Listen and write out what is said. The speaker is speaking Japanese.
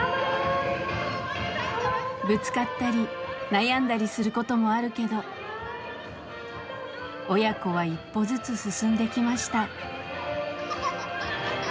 ぶつかったり悩んだりすることもあるけど親子は一歩ずつ進んできました。